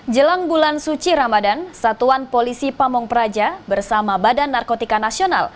jelang bulan suci ramadan satuan polisi pamung praja bersama badan narkotika nasional